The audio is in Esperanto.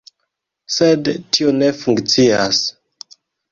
Sed tio ne funkcias.